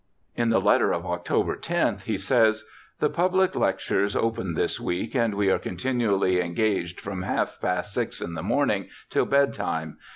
In the letter of October loth, he says : 'The pubhc lectures opened this week, and we are continually engaged from half past six in the morning till bed time.